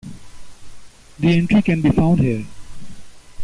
"The entry can be found here"